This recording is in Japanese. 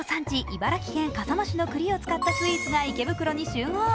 茨城県笠間市のくりを使ったスイーツが池袋に集合。